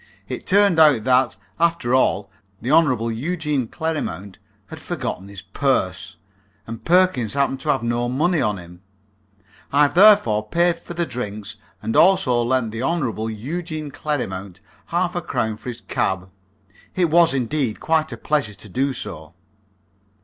It turned out that, after all, the Hon. Eugene Clerrimount had forgotten his purse, and Perkins happened to have no money on him; I therefore paid for the drinks, and also lent the Hon. Eugene Clerrimount half a crown for his cab; it was, indeed, quite a pleasure to do so.